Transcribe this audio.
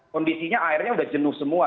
kondisinya airnya sudah jenuh semua